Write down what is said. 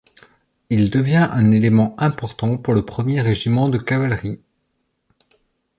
Il devient un élément important pour le premier régiment de cavalerie.